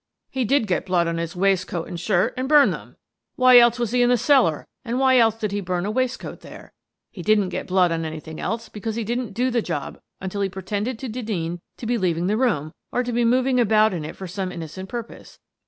" He did get blood on his waistcoat and shirt and burned them. Why else was he in the cellar, and why else did he burn a waistcoat there? He didn't get blood on anything else, because he didn't do the job until he pretended to Denneen to be leaving the room, or to be moving about in it for some innocent purpose.